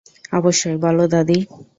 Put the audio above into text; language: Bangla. অবশ্যই, বলো দাদী।